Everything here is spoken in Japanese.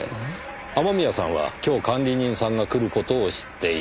雨宮さんは今日管理人さんが来る事を知っていた。